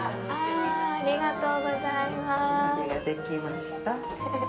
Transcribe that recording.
ありがとうございます。